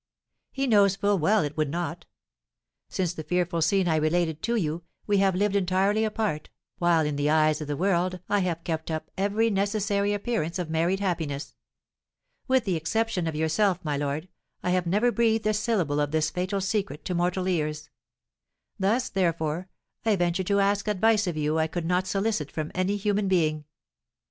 He knows full well it would not. Since the fearful scene I related to you, we have lived entirely apart, while in the eyes of the world I have kept up every necessary appearance of married happiness. With the exception of yourself, my lord, I have never breathed a syllable of this fatal secret to mortal ears: thus, therefore, I venture to ask advice of you I could not solicit from any human being."